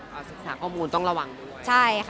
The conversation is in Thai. เมืองไทยค่ะต้องต้องระวังใช่ค่ะ